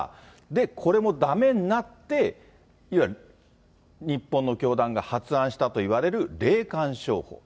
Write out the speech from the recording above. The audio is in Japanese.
で、これもだめになって、いわゆる日本の教団が発案したといわれる霊感商法。